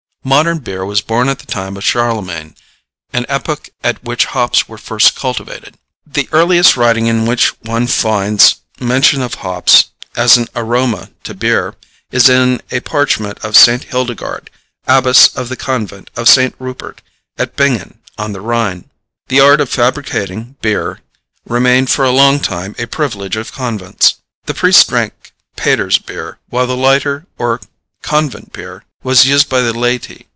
Modern beer was born at the time of Charlemagne, an epoch at which hops were first cultivated. The earliest writing in which one finds mention of hops as an aroma to beer is in a parchment of St. Hildegarde, abbess of the convent of St. Rupert, at Bingen on the Rhine. The art of fabricating beer remained for a long time a privilege of convents. The priests drank Pater's beer, while the lighter or convent beer was used by the laity.